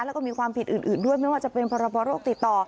แล้วก็มีความผิดอื่นด้วยไม่ว่าจะเป็นพรบโรคติดต่อ